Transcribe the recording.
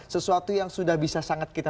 sesuatu yang sudah bisa sangat kita